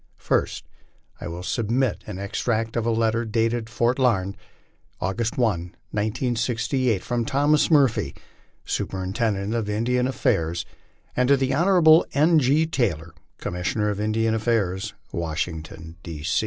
First I will submit an extract of a letter dated Fort Larned, August 1, 1868, from Thomas Murphy, Superintendent of Indian Affairs, to the Hon. N. G. Taylor, Commissioner of Indian Affairs, Washington.